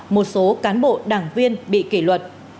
một số cán bộ đảng viên bị kỷ luật